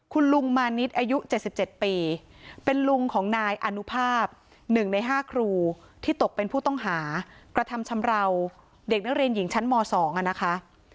คุณลุงมานิดอายุ๗๗ปีเป็นลุงของนายอนุภาพ๑ใน๕ครูที่ตกเป็นผู้ต้องหากระทำชำราวเด็กนักเรียนหญิงชั้นม๒นะคะ